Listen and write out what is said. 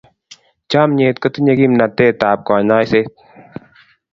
Chomnyet kotinyei kimnatetab kanyoiseet.